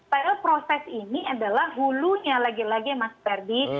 padahal proses ini adalah hulunya lagi lagi mas ferdi